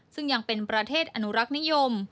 ซึ่งยังเป็นประเทศอนุรักษ์นิยม